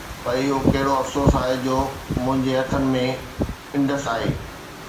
پر اهو ڪهڙو افسوس آهي جو منهنجي هٿن ۾ انڊس آهي